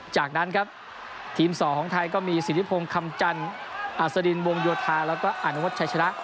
จากนั้นครับทีม๒ของไทยก็มีสิทธิพงศ์คำจันทร์อัศดินวงโยธาแล้วก็อนุวัชชัยชนะ